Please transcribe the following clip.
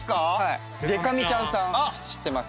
でか美ちゃんさん知ってます。